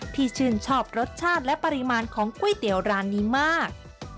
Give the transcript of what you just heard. ที่ชื่นชอบรสชาติและปริมาณของก๋วยเตี๋ยวร้านนี้มาก